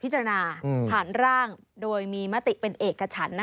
จารณ์ผ่านร่างโดยมีมติเป็นเอกฉัน